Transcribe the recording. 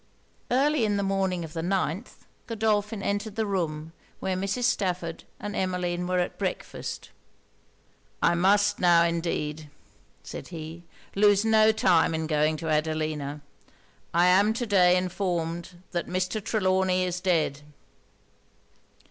Early in the morning of the ninth, Godolphin entered the room where Mrs. Stafford and Emmeline were at breakfast. 'I must now indeed,' said he, 'lose no time in going to Adelina. I am to day informed that Mr. Trelawny is dead.'